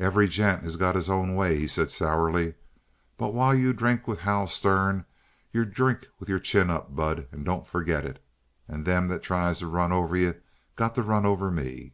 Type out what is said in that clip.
"Every gent has got his own way," he said sourly. "But while you drink with Hal Stern you drink with your chin up, bud. And don't forget it. And them that tries to run over you got to run over me."